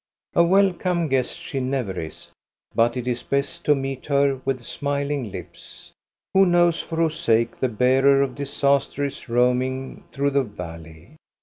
A welcome guest she never is. But it is best to meet her with smiling.. lips! Who knows for whose sake the bearer of disaster is roaming through the valley